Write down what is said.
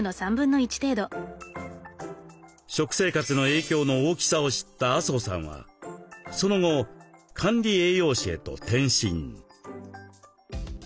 食生活の影響の大きさを知った麻生さんはその後管理栄養士へと転身。